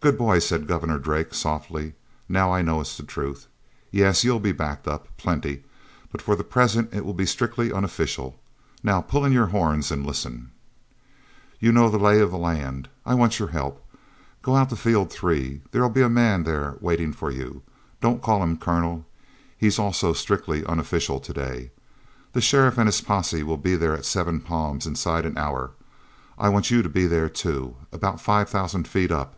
"Good boy," said Governor Drake softly. "Now I know it's the truth. Yes, you'll be backed up, plenty, but for the present it will be strictly unofficial. Now pull in your horns and listen. "You know the lay of the land. I want your help. Go out to Field Three; there'll be a man there waiting for you. Don't call him 'Colonel'—he's also strictly unofficial to day. The sheriff and his posse will be there at Seven Palms inside an hour; I want you to be there, too, about five thousand feet up.